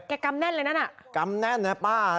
กำแน่นเลยนั่นอ่ะกำแน่นนะป้า